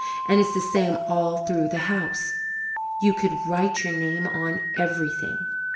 And it's the same all through the house. You could write your name on everything.